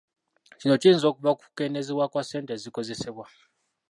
Kino kiyinza okuva ku kukendeezebwa kwa ssente ezikozesebwa.